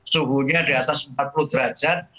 suhunya diatas empat puluh derajat